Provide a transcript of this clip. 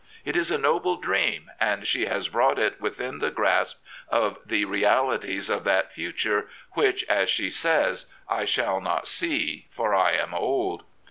It is a noble dream, and she has brought it within the grasp of the realities of that future which, as she says, " I shall not see, for I am old."